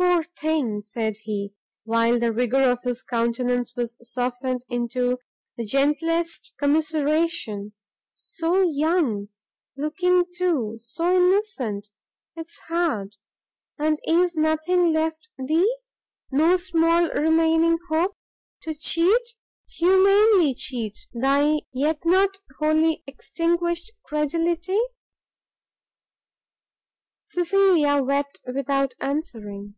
"Poor thing," said he, while the rigour of his countenance was softened into the gentlest commiseration, "so young! looking, too, so innocent 'tis hard! And is nothing left thee? no small remaining hope, to cheat, humanely cheat thy yet not wholly extinguished credulity?" Cecilia wept without answering.